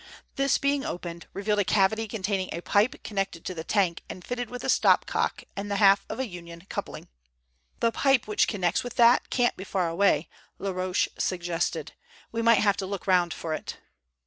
This being opened, revealed a cavity containing a pipe connected to the tank and fitted with a stop cock and the half of a union coupling. "The pipe which connects with that can't be far away," Laroche suggested. "We might have a look round for it."